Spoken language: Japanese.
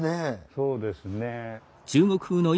そうですね。